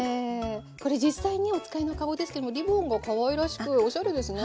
これ実際にお使いの籠ですけどもリボンがかわいらしくおしゃれですね。